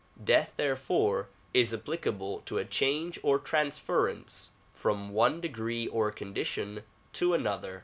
Death therefore is applicable to a change or trans ference from one degree or condition to another.